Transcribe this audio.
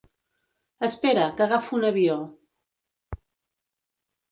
Espera, que agafo un avió.